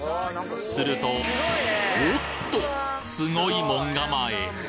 すると、おっと、すごい門構え。